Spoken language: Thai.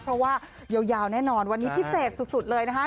เพราะว่ายาวแน่นอนวันนี้พิเศษสุดเลยนะคะ